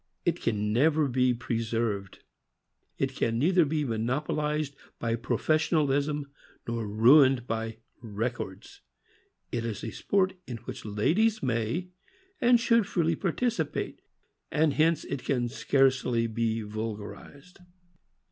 It can never be preserved. It can neither be monopolized by pro fessionalism nor ruined by "records." It is a sport in which ladies may and should freely participate, and hence it can scarcely be vulgarized.